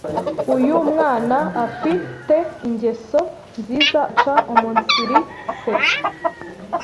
uyu mwana afi te ingeso nziza aca umunsiri se